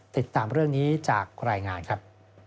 ติดตามเรื่องนี้จากรายงานครับ